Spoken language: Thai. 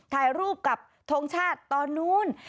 ถ่ายรูปกับทงชาติตอนนู้น